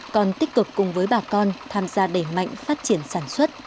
còn tích cực cùng với bà con tham gia đẩy mạnh phát triển sản xuất